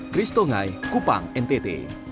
kristongai kupang ntt